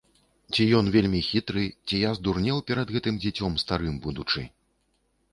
Ці ён вельмі хітры, ці я здурнеў перад гэтым дзіцём, старым будучы.